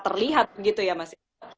terlihat gitu ya mas